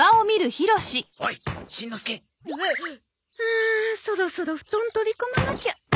あそろそろ布団取り込まなきゃ。